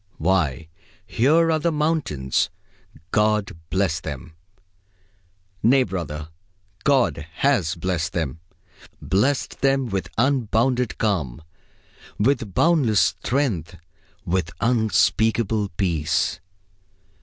Why, here are the mountains! God bless them! Nay, brother, God has blessed them; blessed them with unbounded calm, with boundless strength, with unspeakable peace.